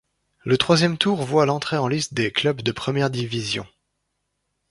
Le troisième tour voit l'entrée en lice des clubs de première division.